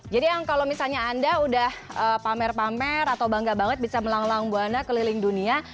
jadi yang kalau misalnya anda udah pamer pamer atau bangga banget bisa melang lang buana keliling dunia